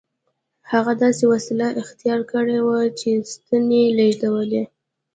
هغه داسې وسیله اختراع کړې وه چې ستنې لېږدولې